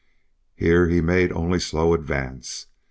Here he made only slow advance.